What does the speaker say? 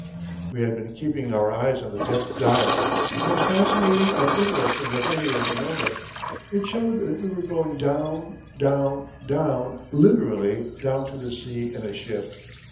We had been keeping our eyes on the depth dial, the most fascinating and interesting of any of the number. It showed that we were going down, down, down, literally down to the sea in a ship.